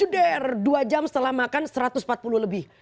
dua jam setelah makan satu ratus empat puluh lebih